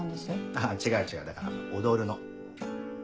あぁ違う違うだから『踊る』の。